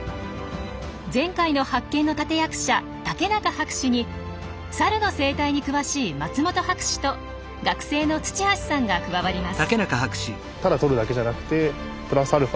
前回の発見の立て役者竹中博士にサルの生態に詳しい松本博士と学生の土橋さんが加わります。